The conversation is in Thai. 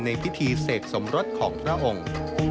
ในพิธีเสกสมรสของพระองค์